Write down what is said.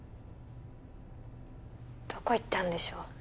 どこ行ったんでしょう？